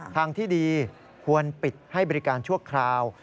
ทางที่ดีควรปิดให้บริการชั่วคราว